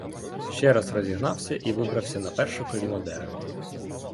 Ще раз розігнався і вибрався на перше коліно дерева.